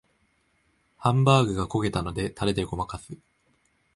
ハンバーグが焦げたのでタレでごまかす